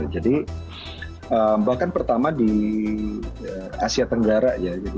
jadi bahkan pertama di asia tenggara